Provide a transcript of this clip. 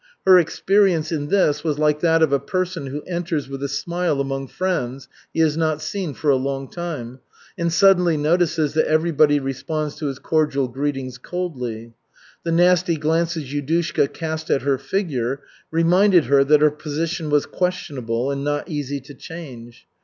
Her experience in this was like that of a person who enters with a smile among friends he has not seen for a long time, and suddenly notices that everybody responds to his cordial greetings coldly. The nasty glances Yudushka cast at her figure reminded her that her position was questionable and not easy to change.